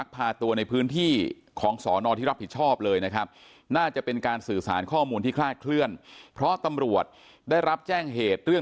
พาตัวในพื้นที่ของสอนอที่รับผิดชอบเลยนะครับน่าจะเป็นการสื่อสารข้อมูลที่คลาดเคลื่อนเพราะตำรวจได้รับแจ้งเหตุเรื่อง